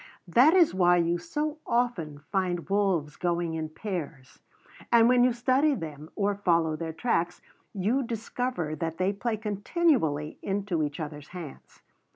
That is why you so often find wolves going in pairs; and when you study them or follow their tracks you discover that they play continually into each other's hands.